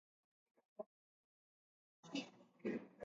Momentuz lortu dute aurrera jarraitzeko babesa, baina juxtu-juxtu.